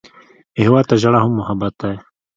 هېواد ته ژړا هم محبت دی